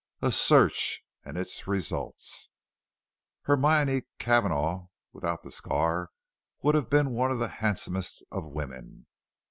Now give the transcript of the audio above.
A SEARCH AND ITS RESULTS. Hermione Cavanagh, without the scar, would have been one of the handsomest of women.